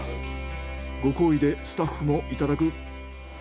ご厚意でスタッフもいただく。